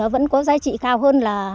vẫn có giá trị cao hơn